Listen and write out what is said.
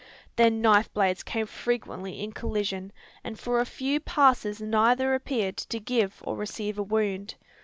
Their knife blades came frequently in collision; and for a few passes neither appeared to give or receive a wound.